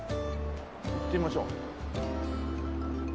行ってみましょう。